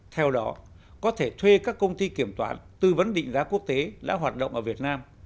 theo đó có thể thuê các công ty kiểm toán tư vấn định giá quốc tế đã hoạt động ở việt nam